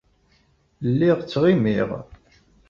Lliɣ ttɣimiɣ.